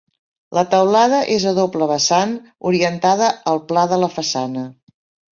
La teulada és a doble vessant, orientada al pla de la façana.